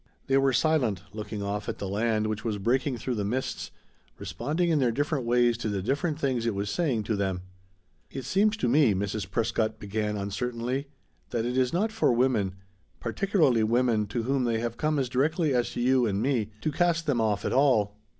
They were silent, looking off at the land which was breaking through the mists, responding in their different ways to the different things it was saying to them. "It seems to me," Mrs. Prescott began uncertainly, "that it is not for women particularly women to whom they have come as directly as to you and me to cast them off at all.